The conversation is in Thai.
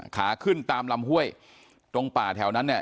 ขาขึ้นตามลำห้วยตรงป่าแถวนั้นเนี่ย